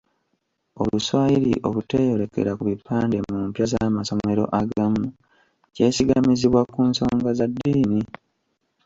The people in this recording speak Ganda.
"Oluswayiri obuteeyolekera ku bipande mu mpya z'amasomero agamu, kyesigamizibwa ku nsonga za ddiini."